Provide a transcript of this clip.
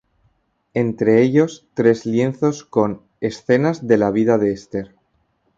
Entre ellos tres lienzos con "Escenas de la vida de Ester".